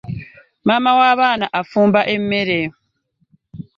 Maama wa baana afumba emmere.